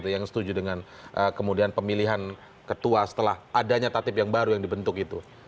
yang setuju dengan kemudian pemilihan ketua setelah adanya tatip yang baru yang dibentuk itu